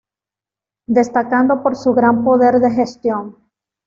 Destacando por su gran poder de gestión.